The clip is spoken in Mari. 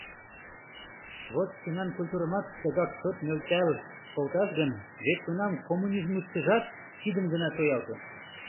Вот шкенан культурымат тыгак чот нӧлтал колташ гын, вет тунам коммунизмышкыжат — кидым гына шуялте!